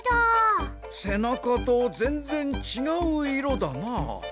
せなかとぜんぜんちがう色だなあ。